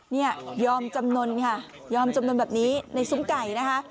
เนี่ยยอมจำนวนค่ะยอมจำนวนแบบนี้ในซุ้มไก่นะคะ